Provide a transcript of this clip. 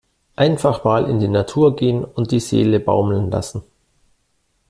Einfach mal in die Natur gehen und die Seele baumeln lassen!